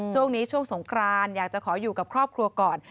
ช่วงนี้ช่วงสงครานอยากจะขออยู่กับครอบครัวก่อน